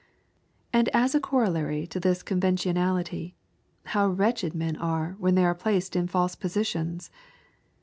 And as a corollary to this conventionality, how wretched men are when they are placed in false positions!